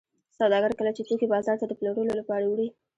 سوداګر کله چې توکي بازار ته د پلورلو لپاره وړي